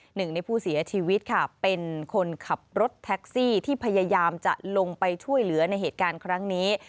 หนึ่งในผู้เสียชีวิตค่ะเป็นคนขับรถแท็กซี่ที่พยายามจะลงไปช่วยเหลือในเหตุการณ์ครั้งนี้